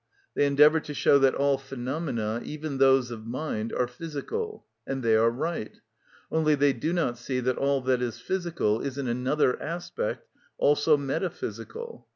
They endeavour to show that all phenomena, even those of mind, are physical. And they are right; only they do not see that all that is physical is in another aspect also metaphysical.